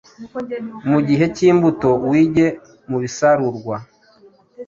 Mugihe cyimbuto wige, mubisarurwa